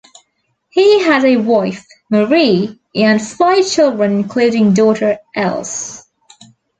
He had a wife, Marie, and five children including daughter Else.